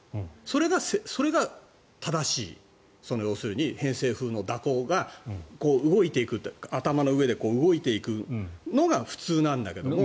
それが正しい要するに偏西風の蛇行が頭の上で動いていくのが普通なんだけども。